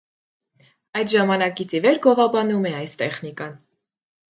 Այդ ժամանակից ի վեր գովաբանում է այս տեխնիկան։